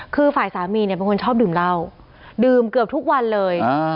คือฝ่ายสามีเนี่ยเป็นคนชอบดื่มเหล้าดื่มเกือบทุกวันเลย